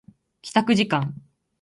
帰宅時間